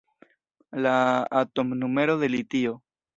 La atomnumero de litio.